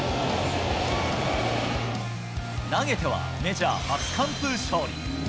投げてはメジャー初完封勝利。